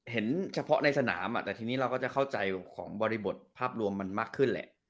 เห็นเฉพาะในสนามแต่ทีนี้เราก็จะเข้าใจของบริบทภาพรวมมันมากขึ้นแหละ